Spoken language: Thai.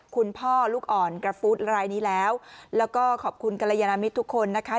คุณพ่อลูกอ่อนกระฟู้ดรายนี้แล้วแล้วก็ขอบคุณกรยานมิตรทุกคนนะคะ